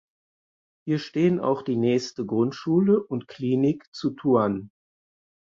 Hier stehen auch die nächste Grundschule und Klinik zu Tuan.